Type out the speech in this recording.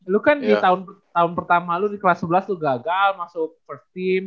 lo kan di tahun pertama lo di kelas sebelas lo gagal masuk first team